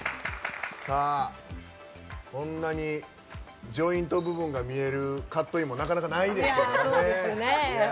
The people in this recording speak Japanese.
こんなにジョイント部分が見れるカットインもなかなかないですけどね。